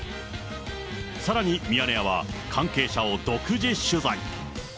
さらにミヤネ屋は関係者を独自取材。